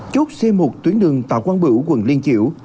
chốt xe một tuyến đường tà quang bửu quận liên chiểu